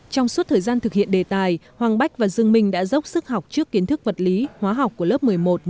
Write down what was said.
trong suốt thời gian thực hiện đề tài hoàng bách và dương minh đã dốc sức học trước kiến thức vật lý hóa học của lớp một mươi một một mươi